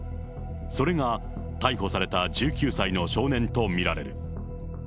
それが、逮捕された１９歳の少年と見られる。